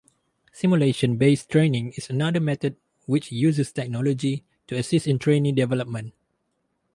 Simulation based training is another method which uses technology to assist in trainee development.